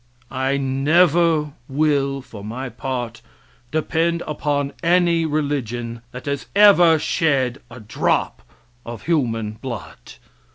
I never will, for my part, depend upon any religion that has ever shed a drop of human blood.